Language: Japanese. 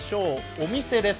お店です。